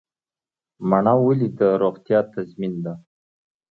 مڼه ولې د روغتیا تضمین ده؟